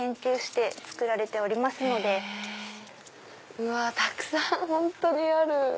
うわたくさん本当にある。